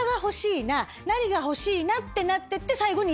何が欲しいなってなってって。